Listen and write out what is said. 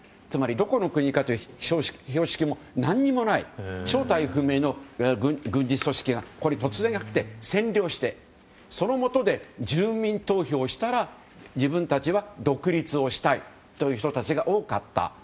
つまり、どこの国かという標識も何もない正体不明の軍事組織がここに突然やってきて占領してそのもとで住民投票をしたら自分たちは独立をしたいという人たちが多かった。